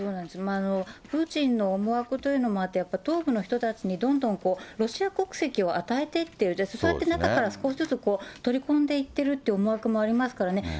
プーチンの思惑というのもあって、東部の人たちにどんどんロシア国籍を与えていっている、そうやって中から少しずつ取り込んでいってるっていう思惑もありますからね。